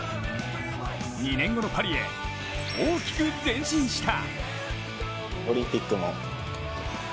２年後のパリへ、大きく前進した。